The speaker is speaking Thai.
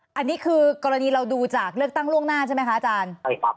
อันนี้คือกรณีเราดูจากเลือกตั้งล่วงหน้าใช่ไหมคะอาจารย์ใช่ครับ